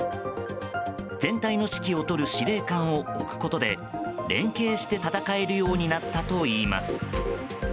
全体の指揮を執る司令官を置くことで連携して戦えるようになったといいます。